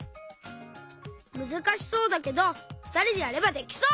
むずかしそうだけどふたりでやればできそう！